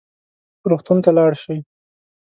روغتون ته لاړ شئ